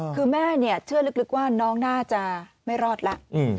คือแม่เชื่อลึกว่าน้องน่าจะไม่รอดแล้ว